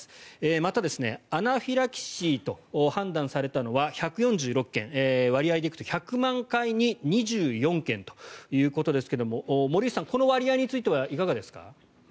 また、アナフィラキシーと判断されたのは１４６件割合でいくと、１００万回に２４件ということですが森内さん、この割合についてはいかがですか？